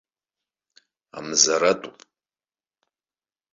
Амзаратәуп!